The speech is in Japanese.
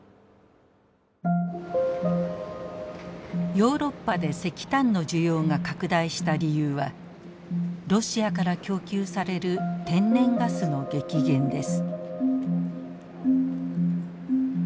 ヨーロッパで石炭の需要が拡大した理由はロシアから供給される天然ガスの激減です。